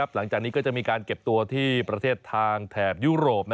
หลังจากนี้ก็จะมีการเก็บตัวที่ประเทศทางแถบยุโรป